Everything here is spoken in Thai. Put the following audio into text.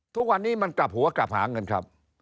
ทุกวันนี้มันกลับหัวกลับหาเงินครับ